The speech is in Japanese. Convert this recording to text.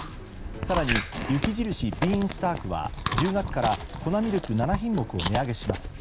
更に、雪印ビーンスタークは１０月から粉ミルク７品目を値上げします。